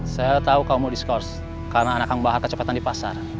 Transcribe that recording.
saya tahu kamu mau disekors karena anak kang bahar kecepatan di pasar